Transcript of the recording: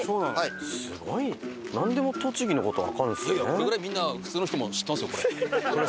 これぐらいみんな普通の人も知ってますよこれ。